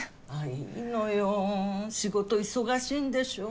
いいのよ仕事忙しいんでしょう？